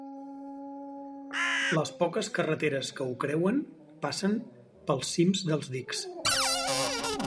Les poques carreteres que ho creuen passen pels cims dels dics.